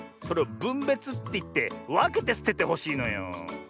それをぶんべつっていってわけてすててほしいのよ。